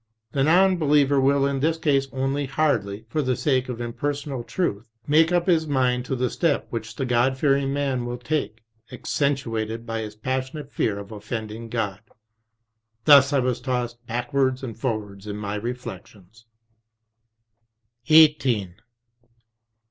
The Non Be Hcver will in this case only hardly, for the sake of impersonal Truth, make up his mind to the step which the God fearing man will take actuated by his passionate fear of offending God. Thus was I tossed backwards and forwards in my re flections. ' i XVIII.